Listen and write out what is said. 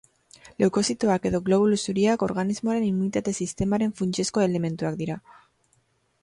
Leukozitoak edo globulu zuriak organismoaren immunitate-sistemaren funtsezko elementuak dira.